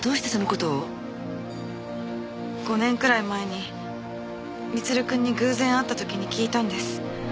５年くらい前に光留くんに偶然会った時に聞いたんです。